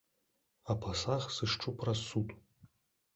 А пасаг сышчу праз суд!